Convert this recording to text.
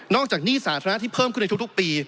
จากหนี้สาธารณะที่เพิ่มขึ้นในทุกปี